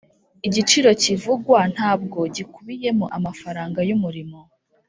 igiciro kivugwa ntabwo gikubiyemo amafaranga yumurimo.